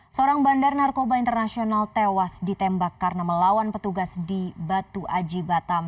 seorang bandar narkoba internasional tewas ditembak karena melawan petugas di batu aji batam